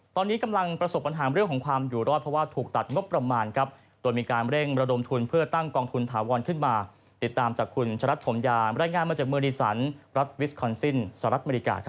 ตอนนี้กำลังประสบปัญหาเรื่องของความอยู่รอด